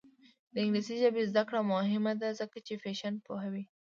د انګلیسي ژبې زده کړه مهمه ده ځکه چې فیشن پوهوي.